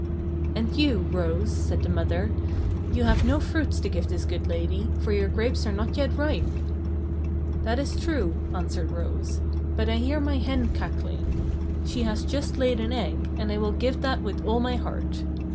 "And you, Rose," said the mother, "you have no fruit to give this good lady, for your grapes are not yet ripe!" "That is true," answered Rose, "but I hear my hen cackling. She has just laid an egg, and I will give that with all my heart!"